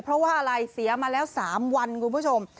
เพราะว่าอะไรเสียมาแล้ว๓วันคุณผู้ชม